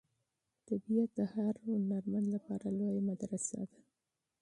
طبیعت د هر هنرمند لپاره لویه مدرسه ده.